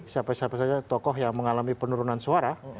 siapa siapa saja tokoh yang mengalami penurunan suara